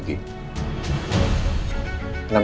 kenapa jadi malah marah lagi